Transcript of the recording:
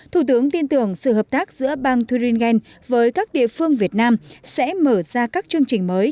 thủ tướng tin tưởng sự hợp tác giữa bang thuringen với các địa phương việt nam sẽ mở ra các chương trình mới